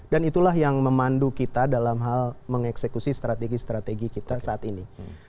dan itulah yang memandu kita dalam hal mengeksekusi strategi strategi kita saat ini